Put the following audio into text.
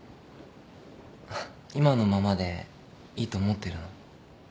今のままでいいと思ってるの？